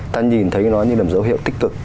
ta nhìn thấy nó như là một dấu hiệu tích cực